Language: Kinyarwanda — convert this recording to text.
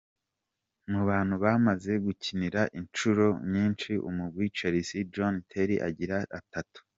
Mu bantu bamaze gukinira incuro nyinshi umugwi Chelsea, John Terry agira gatatu.